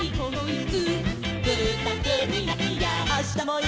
いくよ！